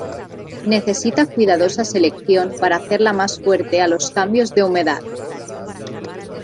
Necesita cuidadosa selección para hacerla más fuerte a los cambios de humedad.